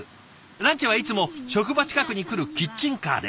ランチはいつも職場近くに来るキッチンカーで。